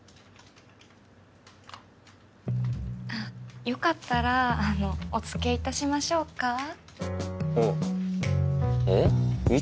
あっよかったらあのお付けいたしましょうか？